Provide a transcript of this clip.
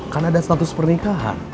kan ada status pernikahan